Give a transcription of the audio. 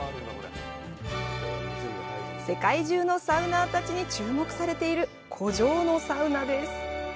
世界中のサウナーたちに注目されている湖上のサウナです。